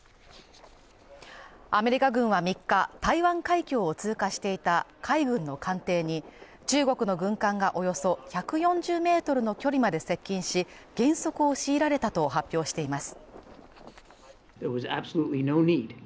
アメリカ軍は３日、台湾海峡を通過していた海軍の艦艇に中国の軍艦がおよそ１４０ｍの距離まで接近し、減速を強いられたと発表しています。